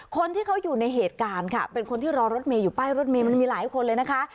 คนที่เขาอยู่ในเหตุการณ์ค่ะเป็นคนที่รอรถเมย์อยู่ป้ายรถเมย์มันมีหลายคนเลยนะคะ